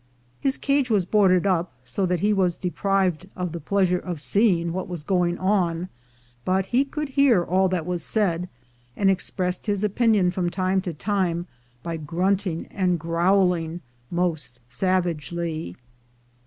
His cage was boarded up, so that he was deprived of the pleasure of seeing what was going on, but he could hear all that was said, and expressed his opinion from time to time by grunting and growling most savagely.